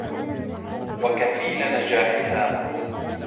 وَكَفِيلَ نَجَاحِهَا